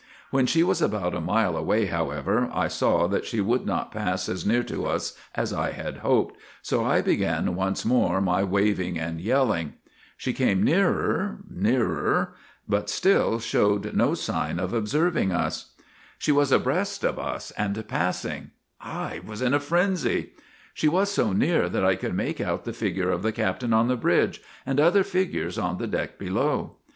When she was about a mile away, however, I saw that she would not pass as near to us as I had hoped ; so I began once more my waving and yelling. She came nearer, 22 GULLIVER THE GREAT nearer, but still showed no sign of observing us. " She was abreast of us, and passing. I was in a frenzy! ' She was so near that I could make out the figure of the captain on the bridge, and other figures on the deck below.